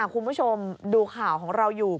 คุณผู้ชมดูข่าวของเราอยู่